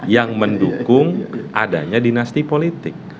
yang mendukung adanya dinasti politik